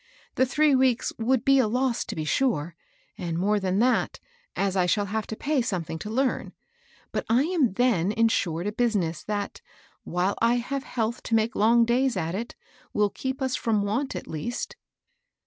The three weeks would be a loss to be sure ; and more than that, as I shall have to pay something to learn; but I am then insured a business that, while I have health to make long days at it, will keep us from want, at least."